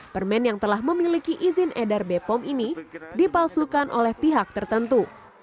permen yang telah memiliki izin edar bepom ini dipalsukan oleh pihak tertentu